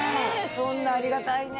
そんなありがたいね